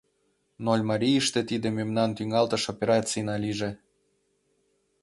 — Нольмарийыште тиде мемнан тӱҥалтыш операцийна лийже!